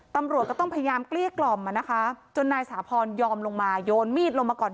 ตำรวจก็ต้องพยายามเกลี้ยกล่อมอ่ะนะคะจนนายสาพรยอมลงมาโยนมีดลงมาก่อน